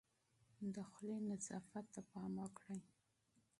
د خولې نظافت ته پام وکړئ.